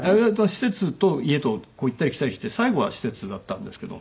施設と家とを行ったり来たりして最後は施設だったんですけど。